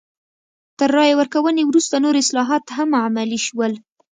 تر رایې ورکونې وروسته نور اصلاحات هم عملي شول.